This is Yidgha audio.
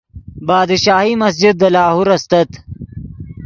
بادشاہی مسجد دے لاہور استت